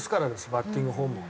バッティングフォームを。